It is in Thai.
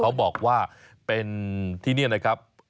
เขาบอกว่าเป็นที่นี่นะครับ